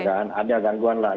dan ada gangguan lah